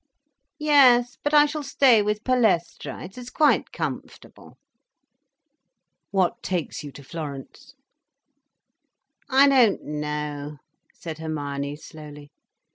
"Yes, but I shall stay with Palestra. It is quite comfortable." "What takes you to Florence?" "I don't know," said Hermione slowly.